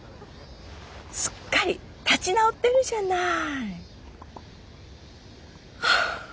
すっかり立ち直ってるじゃない。